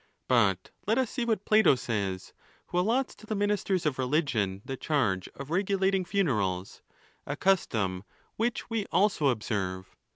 But let us see what Plato says, who allots to the ministers of religion the charge of regulating funerals, a custom which we also observe.